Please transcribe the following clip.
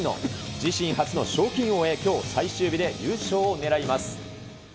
自身初の賞金王へきょう最終日で優勝を狙います。